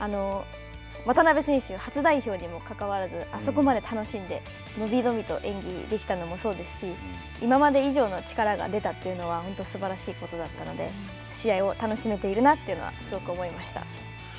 渡部選手、初代表にもかかわらずあそこまで楽しんで伸び伸びと演技できたのもそうですし、今まで以上の力が出たというのは本当すばらしいことだったので試合を楽しめているなというのはすごく思いました。